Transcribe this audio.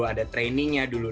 ada training nya dulu